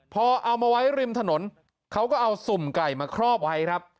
พอเอามาไว้ริมถนนเขาก็เอาสุ่มไก่มาครอบไว้ครับ